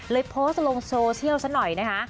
โพสต์ลงโซเชียลซะหน่อยนะคะ